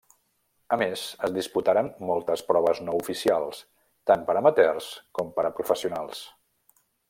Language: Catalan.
A més es disputaren moltes proves no oficials, tant per amateurs com per a professionals.